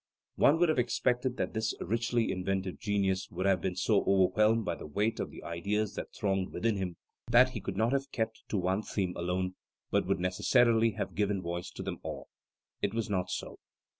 211 One would have expected that this richly inventive genius would have been so overwhelmed by the weight of the ideas that thronged within him that he could not have kept to one theme alone, but would necessarily have given voice to them all. It was not so.